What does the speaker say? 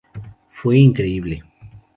Fue increíble.